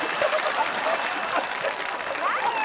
何よ？